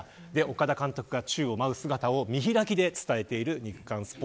岡田監督が宙を舞う姿を見開きで伝えています。